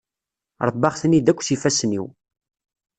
Rebbaɣ-ten-id akk s yifassen-iw.